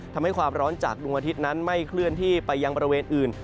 ความร้อนจากดวงอาทิตย์นั้นไม่เคลื่อนที่ไปยังบริเวณอื่น